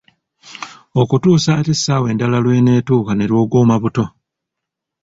Okutuusa ate essaawa endala lw’eneetuuka ne lwogooma buto.